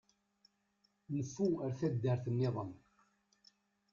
Nfu ar taddart-nniḍen.